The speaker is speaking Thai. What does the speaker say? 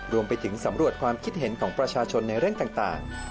รวมไปถึงสำรวจความคิดเห็นของประชาชนในเรื่องต่าง